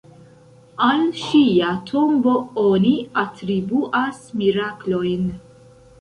Al ŝia tombo oni atribuas miraklojn.